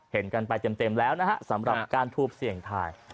เห็นกันไปเต็มแล้วนะฮะสำหรับการทูปเสี่ยงทาย